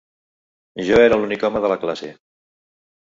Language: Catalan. Jo era l’únic home de la classe.